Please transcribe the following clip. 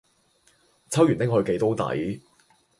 抽完拎去寄都抵